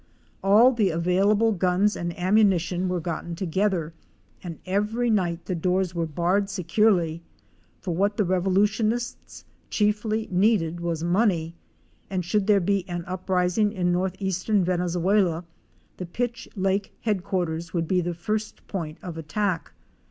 All the available guns and ammunition were gotten together and every night the doors were barred securely; for what the revolutionists chiefly needed was money, and should there be an uprising in northeastern Venezuela, the Pitch Lake head quarters would be the first point of attack.